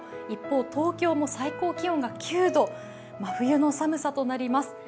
一方、東京も最高気温が９度、真冬の寒さとなります。